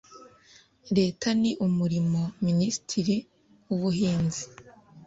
Leta n Umurimo Ministiri w Ubuhinzi